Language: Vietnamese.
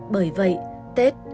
bởi vậy tết